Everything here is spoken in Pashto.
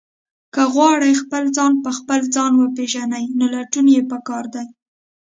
که غواړئ خپل ځان په خپل ځان وپېژنئ، نو لټون یې پکار دی.